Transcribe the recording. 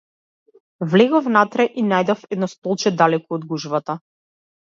Влегов внатре и најдов едно столче далеку од гужвата.